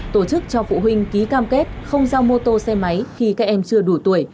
tổ chức cho phụ huynh ký cam kết không giao mô tô xe máy khi các em chưa đủ tuổi